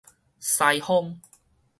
西風